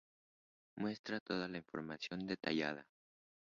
Muestra toda la información detallada.